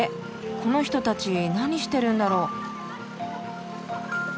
この人たち何してるんだろう？